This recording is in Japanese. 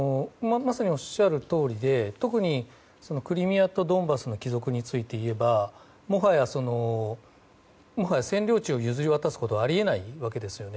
おっしゃるとおりでクリミアとドンバスの帰属についていえばもはや、占領地を譲り渡すことはあり得ないわけです。